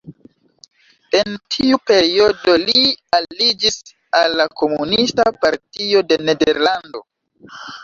En tiu periodo li aliĝis al la Komunista Partio de Nederlando.